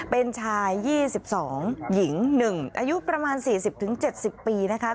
เป็นชาย๒๒หญิง๑อายุประมาณ๔๐๗๐ปีนะคะ